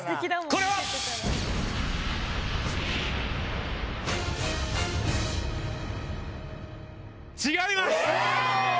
これは？違います。